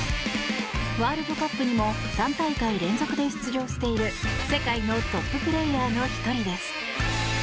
ワールドカップにも３大会連続で出場している世界のトッププレーヤーの１人です。